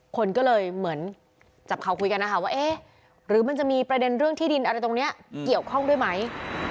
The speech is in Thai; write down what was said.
คนก็เลยเหมือนจับเขาคุยกันนะคะว่าเอ๊ะหรือมันจะมีประเด็นเรื่องที่ดินอะไรตรงนี้เกี่ยวข้องด้วยไหม